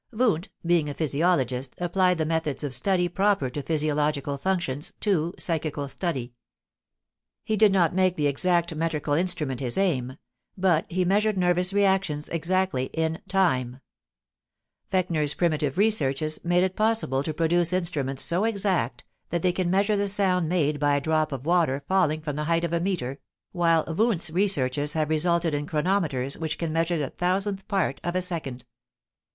Wundt, being a physiologist, applied the methods of study proper to physiological functions to psychical study. He did not make the exact metrical instrument his aim; but he measured nervous reactions exactly in time. Fechner's primitive researches made it possible to produce instruments so exact that they can measure the sound made by a drop of water falling from the height of a meter, while Wundt's researches have resulted in chronometers which can measure the thousandth part of a second.